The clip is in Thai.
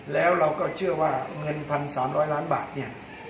แล้วเราก็เชื่อว่าเงินพันสามร้อยล้านบาทเนี่ย